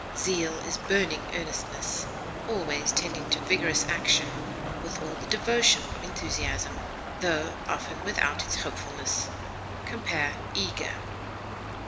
Zeal is burning earnestness, always tending to vigorous action with all the devotion of enthusiasm, tho often without its hopefulness. Compare EAGER.